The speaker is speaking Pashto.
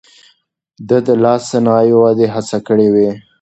ده د لاس صنايعو ودې هڅه کړې وه.